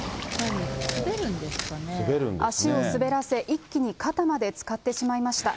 足を滑らせ、一気に肩までつかってしまいました。